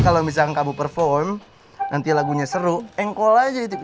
kalau misalnya kamu perform nanti lagunya seru engkol aja gitu